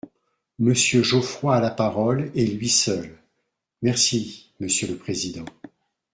Monsieur Geoffroy a la parole, et lui seul ! Merci, monsieur le président.